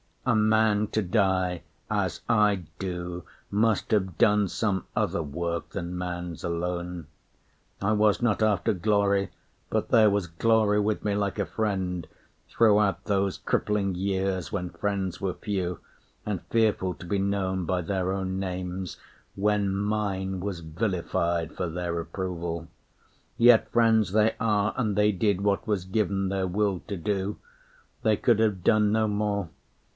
A man to die As I do must have done some other work Than man's alone. I was not after glory, But there was glory with me, like a friend, Throughout those crippling years when friends were few, And fearful to be known by their own names When mine was vilified for their approval. Yet friends they are, and they did what was given Their will to do; they could have done no more.